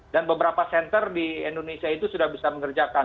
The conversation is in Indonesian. dan beberapa senter di indonesia itu sudah bisa mengerjakan